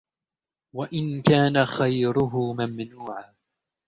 وَإِنْ كَانَ خَيْرُهُ مَمْنُوعًا